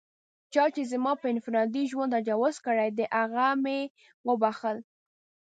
چا چې زما پر انفرادي ژوند تجاوز کړی دی، هغه مې و بښل.